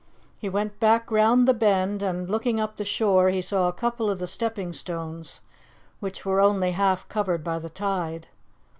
He went back round the bend, and looking up the shore he saw a couple of the stepping stones which were only half covered by the tide.